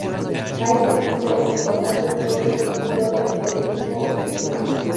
Ha ejercido, en importantes medios escritos, el periodismo de opinión.